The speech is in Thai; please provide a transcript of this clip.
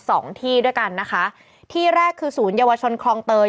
เป็นการกระตุ้นการไหลเวียนของเลือด